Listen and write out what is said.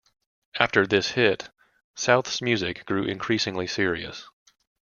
After this hit, South's music grew increasingly serious.